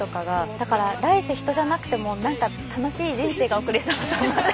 だから来世人じゃなくてもなんか楽しい人生が送れそうな。